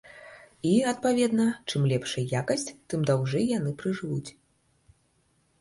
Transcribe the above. І, адпаведна, чым лепшая якасць, тым даўжэй яны пражывуць.